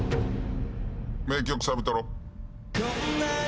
名曲サビトロ。